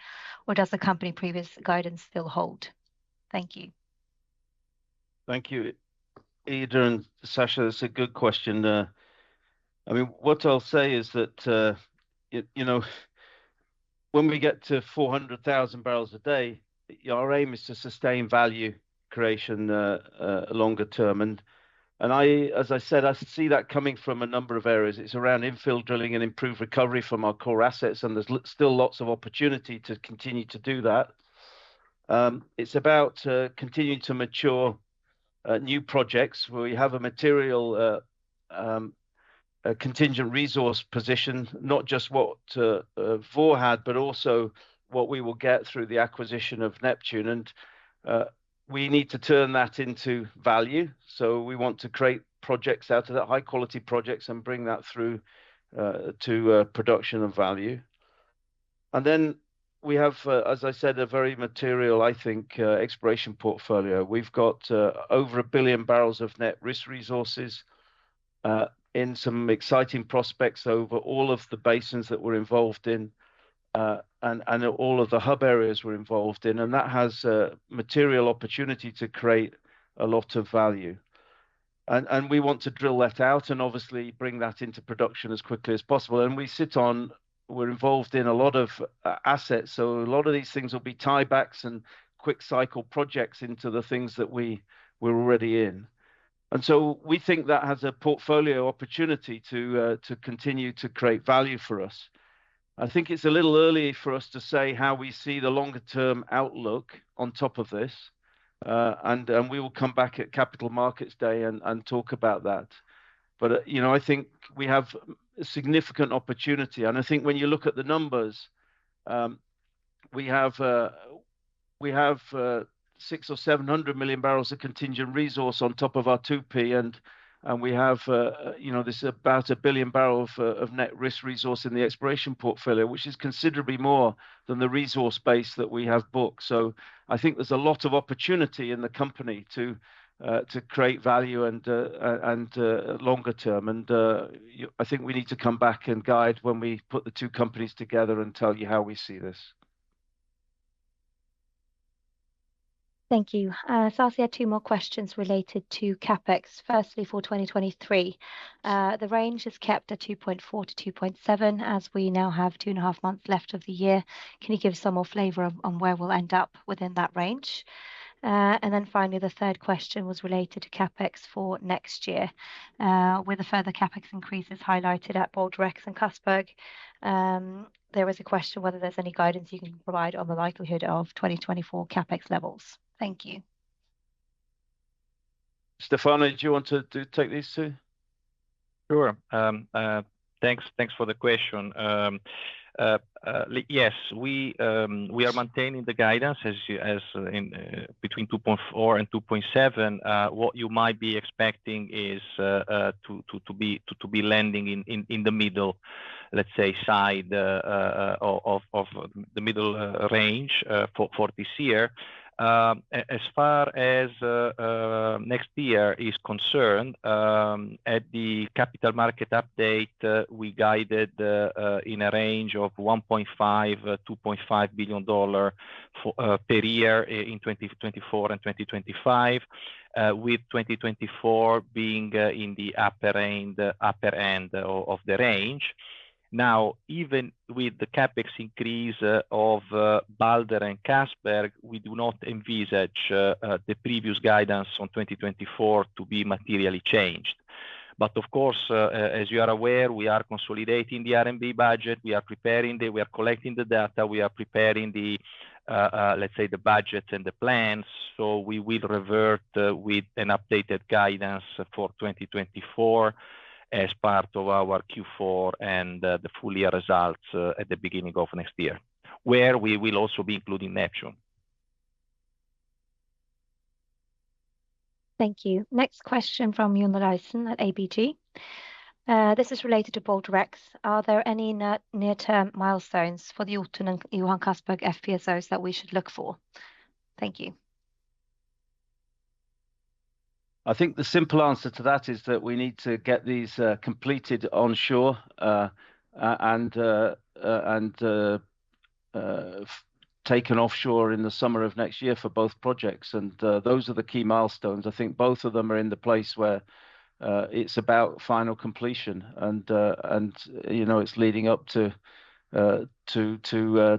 or does the company previous guidance still hold? Thank you.
Thank you, Ida and Sasikanth. That's a good question. I mean, what I'll say is that, you know, when we get to 400,000 barrels a day, our aim is to sustain value creation longer term. And, as I said, I see that coming from a number of areas. It's around infill drilling and improved recovery from our core assets, and there's still lots of opportunity to continue to do that. It's about continuing to mature new projects, where we have a material a contingent resource position, not just what Vår had, but also what we will get through the acquisition of Neptune. And, we need to turn that into value. So we want to create projects out of that, high-quality projects, and bring that through to production and value. And then we have, as I said, a very material, I think, exploration portfolio. We've got, over 1 billion barrels of net risk resources, in some exciting prospects over all of the basins that we're involved in, and, and all of the hub areas we're involved in, and that has a material opportunity to create a lot of value. And, and we want to drill that out and obviously bring that into production as quickly as possible. And we're involved in a lot of assets, so a lot of these things will be tie-backs and quick cycle projects into the things that we, we're already in. And so we think that has a portfolio opportunity to, to continue to create value for us. I think it's a little early for us to say how we see the longer term outlook on top of this, and we will come back at Capital Markets Day and talk about that. But you know, I think we have a significant opportunity. And I think when you look at the numbers, we have 600-700 million barrels of contingent resource on top of our 2P, and we have, you know, there's about 1 billion barrels of net risk resource in the exploration portfolio, which is considerably more than the resource base that we have booked. So I think there's a lot of opportunity in the company to create value and longer term. I think we need to come back and guide when we put the two companies together and tell you how we see this.
Thank you. Sasikanth, two more questions related to CapEx. Firstly, for 2023, the range is kept at $2.4-$2.7, as we now have two and a half months left of the year. Can you give some more flavor on, on where we'll end up within that range? And then finally, the third question was related to CapEx for next year. With the further CapEx increases highlighted at Balder X and Johan Castberg, there was a question whether there's any guidance you can provide on the likelihood of 2024 CapEx levels. Thank you.
Stefano, do you want to take this, too?
Sure. Thanks for the question. Yes, we are maintaining the guidance as in between 2.4 and 2.7. What you might be expecting is to be landing in the middle, let's say, side of the middle range for this year. As far as next year is concerned, at the Capital Market Update, we guided in a range of $1.5-$2.5 billion per year in 2024 and 2025. With 2024 being in the upper end of the range. Now, even with the CapEx increase of Balder and Castberg, we do not envisage the previous guidance on 2024 to be materially changed. But of course, as you are aware, we are consolidating the RMB budget. We are preparing the... We are collecting the data. We are preparing the, let's say, the budget and the plans. So we will revert with an updated guidance for 2024 as part of our Q4 and the full year results at the beginning of next year, where we will also be including Neptune.
Thank you. Next question from John Olaisen at ABG Sundal Collier. This is related to Balder X. Are there any near-term milestones for the Jotun in Johan Castberg FPSOs that we should look for? Thank you.
I think the simple answer to that is that we need to get these completed onshore and taken offshore in the summer of next year for both projects, and those are the key milestones. I think both of them are in the place where it's about final completion, and you know it's leading up to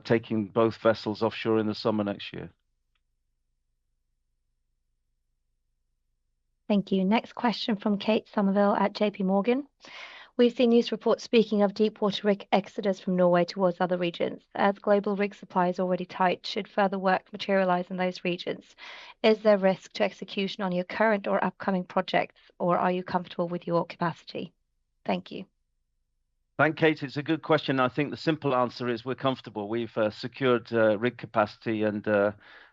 taking both vessels offshore in the summer next year.
Thank you. Next question from Kate Somerville at J.P. Morgan. We've seen news reports speaking of deepwater rig exodus from Norway towards other regions. As global rig supply is already tight, should further work materialize in those regions, is there risk to execution on your current or upcoming projects, or are you comfortable with your capacity? Thank you.
Thanks, Kate. It's a good question. I think the simple answer is we're comfortable. We've secured rig capacity, and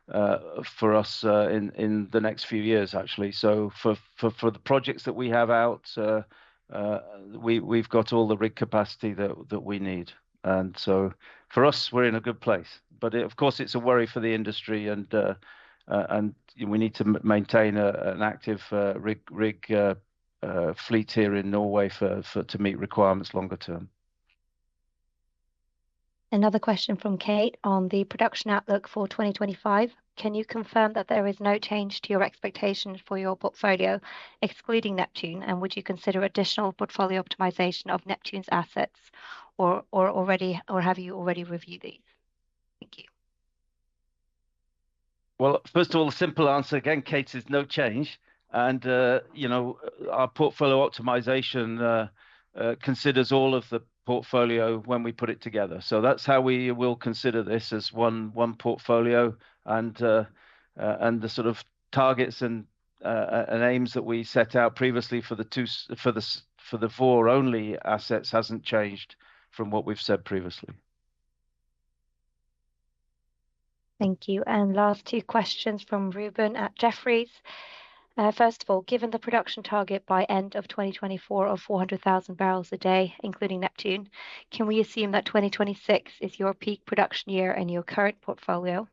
for us in the next few years, actually. So for the projects that we have out, we've got all the rig capacity that we need. And so for us, we're in a good place. But of course, it's a worry for the industry, and we need to maintain an active rig fleet here in Norway to meet requirements longer term.
Another question from Kate on the production outlook for 2025. Can you confirm that there is no change to your expectation for your portfolio, excluding Neptune? And would you consider additional portfolio optimization of Neptune's assets, or have you already reviewed these? Thank you.
Well, first of all, the simple answer, again, Kate, is no change. And, you know, our portfolio optimization considers all of the portfolio when we put it together. So that's how we will consider this as one portfolio. And, and the sort of targets and, and aims that we set out previously for the Vår-only assets hasn't changed from what we've said previously.
Thank you. And last two questions from Ruben at Jefferies. First of all, given the production target by end of 2024 of 400,000 barrels a day, including Neptune, can we assume that 2026 is your peak production year in your current portfolio?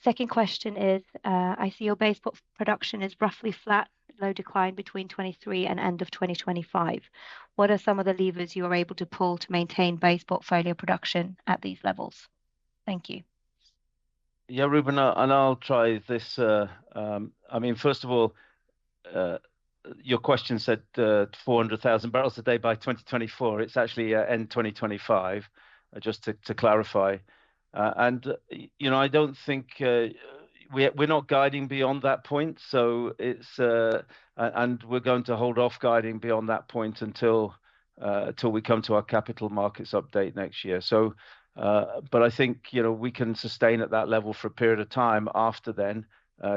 Second question is, I see your base portfolio production is roughly flat, low decline between 2023 and end of 2025. What are some of the levers you are able to pull to maintain base portfolio production at these levels? Thank you.
Yeah, Ruben, and I'll try this. I mean, first of all, your question said, 400,000 barrels a day by 2024. It's actually, end 2025, just to, to clarify. And, y-you know, I don't think... We are, we're not guiding beyond that point, so it's, a- and we're going to hold off guiding beyond that point until, till we come to our capital markets update next year. So, but I think, you know, we can sustain at that level for a period of time after then,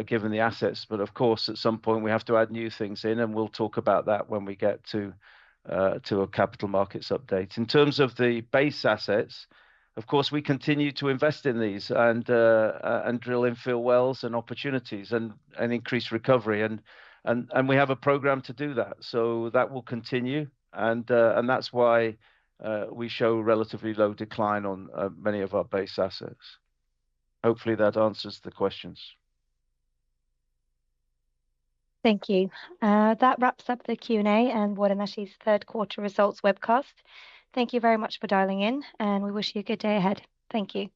given the assets. But of course, at some point, we have to add new things in, and we'll talk about that when we get to, to a capital markets update. In terms of the base assets, of course, we continue to invest in these and drill infill wells and opportunities, and we have a program to do that, so that will continue. That's why we show relatively low decline on many of our base assets. Hopefully, that answers the questions.
Thank you. That wraps up the Q&A and Vår Energi's third quarter results webcast. Thank you very much for dialing in, and we wish you a good day ahead. Thank you.